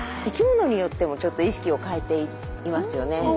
生きものによってもちょっと意識を変えていますよね。